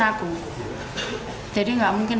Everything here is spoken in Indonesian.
aku jadi gak mungkin